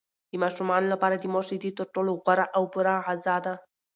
د ماشومانو لپاره د مور شیدې تر ټولو غوره او پوره غذا ده.